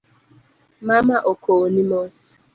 Mama okowoni mos.